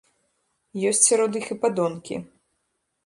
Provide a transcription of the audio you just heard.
Ёсць сярод іх і падонкі.